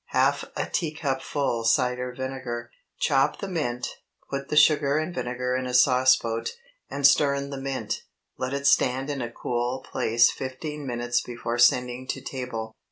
Half a teacupful cider vinegar. Chop the mint, put the sugar and vinegar in a sauce boat, and stir in the mint. Let it stand in a cool place fifteen minutes before sending to table.